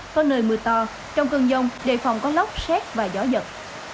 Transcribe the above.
có nơi mưa to trong cơn dông đề phòng có lốc xét và gió giật